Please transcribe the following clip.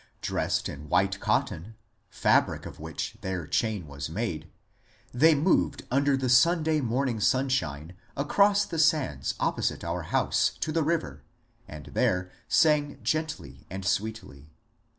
Dressed in white cotton — fabric of which their chain was made — they moved under the Sunday morning sunshine across the sands opposite our house to the river, and there sang gently and sweetly.